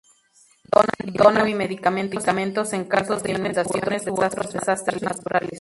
Donan dinero y medicamentos en casos de inundaciones u otros desastres naturales.